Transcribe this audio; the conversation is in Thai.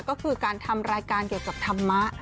ก็คือการทำรายการเกี่ยวกับธรรมะ